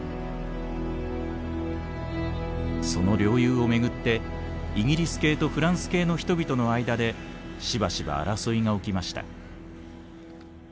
その領有を巡ってイギリス系とフランス系の人々の間でしばしば争いが起きました。